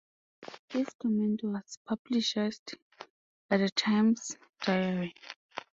His comment was publicized by The Times Diary.